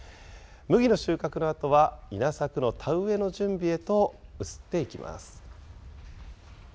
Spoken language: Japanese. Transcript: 麦の収穫のあとは、稲作の田植えの準備へと移っていきます。